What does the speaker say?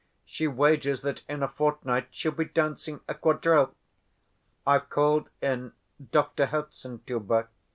She wagers that in a fortnight she'll be dancing a quadrille. I've called in Doctor Herzenstube.